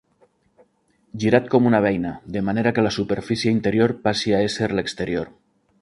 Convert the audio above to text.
Girat com una beina, de manera que la superfície interior passi a ésser l'exterior.